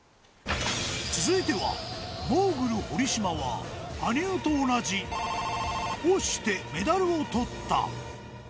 続いては、モーグル、堀島は羽生と同じ×××をしてメダルをとった。